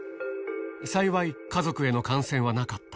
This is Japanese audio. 幸い、家族への感染はなかった。